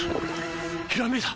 ひらめいた！